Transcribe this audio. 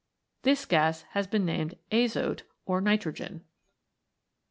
This gas has been named azote or niti ogen.